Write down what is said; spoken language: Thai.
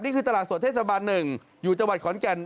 นี่คือตลาดสดเทศบาล๑อยู่จังหวัดขอนแก่น